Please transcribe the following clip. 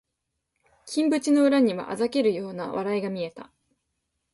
金縁の裏には嘲るような笑いが見えた